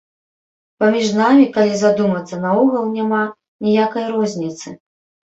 Паміж намі, калі задумацца, наогул няма ніякай розніцы.